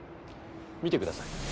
見てください。